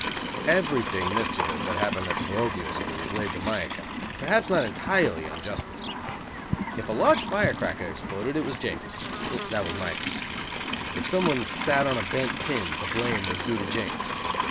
Everything mischievous that happened at the parochial school was laid to my account, perhaps not entirely unjustly. If a large firecracker exploded, it was James that was my name. If some one sat on a bent pin, the blame was due to James.